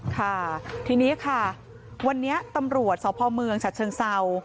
ค่ะทีนี้ค่ะวันนี้ตำรวจสพเมืองฉัดเชิงเศร้า